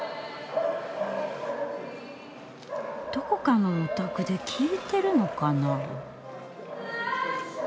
・どこかのお宅で・聞いてるのかな。